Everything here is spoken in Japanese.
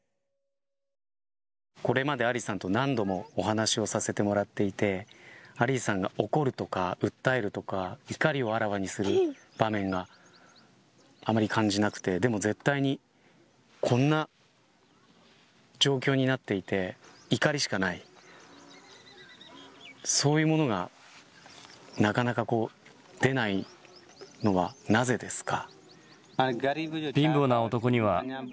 これまでアリさんと、何度もお話をさせてもらっていてアリさんが怒るとか訴えるとか怒りをあらわにする場面があまり感じなくてでも絶対に、こんな状況になっていて怒りしかないそういうものがなかなか出ないのはなぜですか。